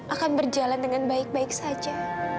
akan berjalan dengan baik baik saja